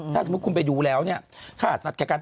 ถ้าสมมุติคุณไปดูแล้วฆ่าสัตว์แข่งกัน